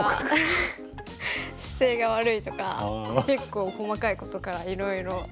姿勢が悪いとか結構細かいことからいろいろ。